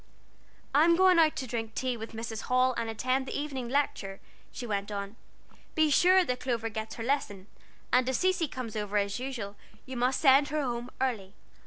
"I'm going out to drink tea with Mrs. Hall and attend the evening Lecture," she went on. "Be sure that Clover gets her lesson, and if Cecy comes over as usual, you must send her home early.